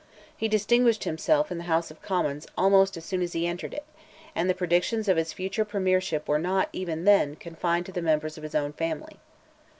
He distinguished himself in the House of Commons almost as soon as he entered it, and the predictions of his future premiership were not, even then, confined to members of his own family.